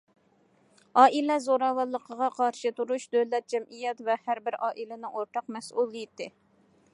ئائىلە زوراۋانلىقىغا قارشى تۇرۇش دۆلەت، جەمئىيەت ۋە ھەر بىر ئائىلىنىڭ ئورتاق مەسئۇلىيىتى.